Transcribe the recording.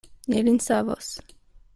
Ni lin savos.